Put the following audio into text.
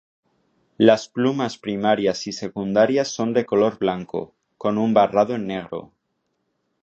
Las plumas primarias y secundarias son de color blanco, con un barrado en negro.